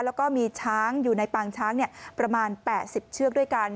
แล้วก็มีช้างอยู่ในปางช้างเนี่ยประมาณแปะสิบเชือกด้วยกัน